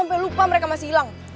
sampai lupa mereka masih hilang